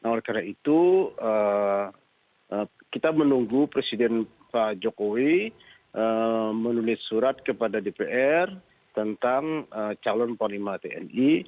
oleh karena itu kita menunggu presiden pak jokowi menulis surat kepada dpr tentang calon panglima tni